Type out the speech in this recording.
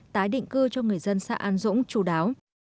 tái định cư cho người dân xã an dũng chú đáo